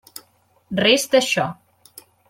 Res d'això.